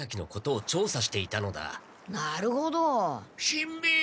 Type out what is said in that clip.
しんべヱ！